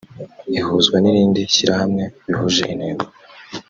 ihuzwa n irindi shyirahamwe bihuje intego